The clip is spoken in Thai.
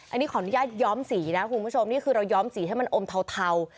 อันนี้ขออนุญาตย้อมสีนะคุณผู้ชมนี่คือเราย้อมสีให้มันอมเทา